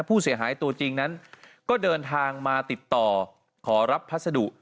ผู้เสียหายตัวจริงนั้นก็เดินทางมาติดต่อขอรับพัสดุ